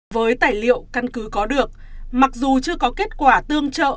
với tài liệu căn cứ có được mặc dù chưa có kết quả tương trợ